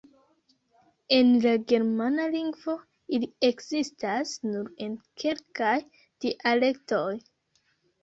En la Germana lingvo ili ekzistas nur en kelkaj dialektoj.